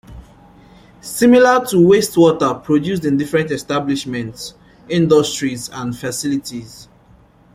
Similar to wastewater produced in different establishments, industries, and facilities.